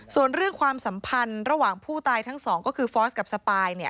ส่วนเรื่องความสัมพันธ์ระหว่างผู้ตายทั้งสองก็คือฟอสกับสปาย